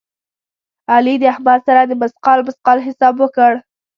علي د احمد سره د مثقال مثقال حساب وکړ.